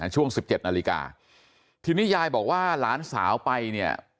ช่วง๑๗นาฬิกาทีนี้ยายบอกว่าหลานสาวไปเนี่ย